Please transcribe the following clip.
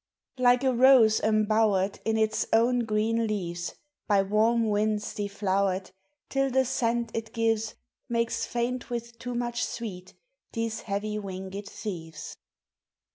299 Like a rose embowered In its own green leaves, By warm wiiids deflowered, Till the scent it gives Makes faint with too much sweet these heavy winged thieves.